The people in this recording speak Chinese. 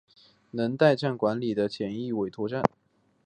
能代站管理的简易委托站。